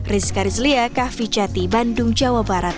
rizka rizlia kahvijati bandung jawa barat